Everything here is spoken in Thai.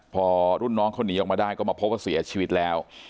พอรุ่นน้องเขาหนีออกมาได้ก็มาพบว่าเสียชีวิตแล้ว